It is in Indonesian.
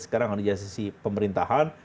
sekarang organisasi pemerintahan